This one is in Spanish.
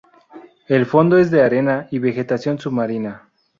El fondo es de arena y vegetación submarina.